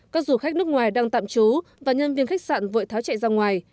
các du khách nước ngoài đang tạm trú và nhân viên khách sạn vội tháo chạy ra ngoài